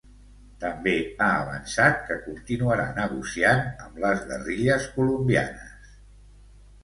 També ha avançat que continuarà negociant amb les guerrilles colombianes.